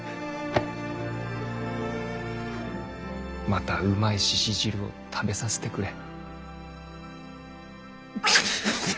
またうまい鹿汁を食べさせてくれ。